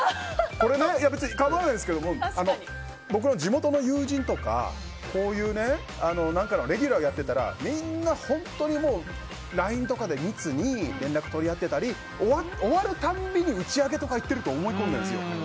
別に構わないですけど僕の地元の友人とかこういう、何かのレギュラーをやっていたらみんな本当にＬＩＮＥとかで密に連絡取り合ってたり終わる度に打ち上げとか行ってると思い込んでいたんですよ。